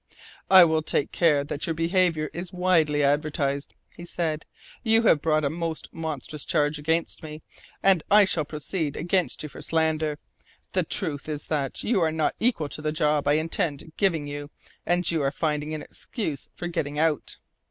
"I will take care that your behaviour is widely advertised," he said. "You have brought a most monstrous charge against me, and I shall proceed against you for slander. The truth is that you are not equal to the job I intended giving you and you are finding an excuse for getting out."